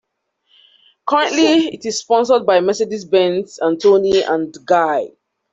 Currently, it is sponsored by Mercedes-Benz, and Toni and Guy.